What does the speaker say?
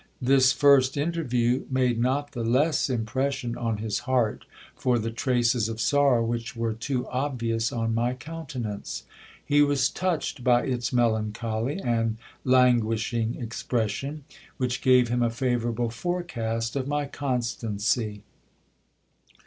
This first interview' made not the less impression on his heart for the traces of sorrow which were too obvious on my countenance. He was touched by its melancholy and languishing expression, which gave him a favourable forecast of my constancy.